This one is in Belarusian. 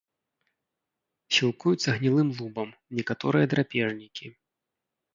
Сілкуюцца гнілым лубам, некаторыя драпежнікі.